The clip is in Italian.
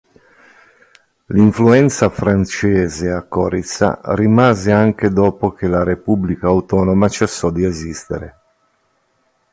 L'influenza francese a Coriza rimase anche dopo che la Repubblica Autonoma cessò di esistere.